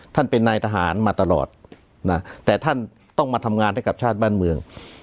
ท่านเป็นนายทหารมาตลอดนะแต่ท่านต้องมาทำงานให้กับชาติบ้านเมือง